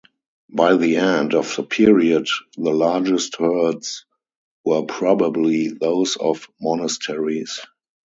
By the end of the period the largest herds were probably those of monasteries.